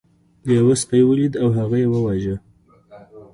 لیوه سپی ولید او هغه یې وواژه.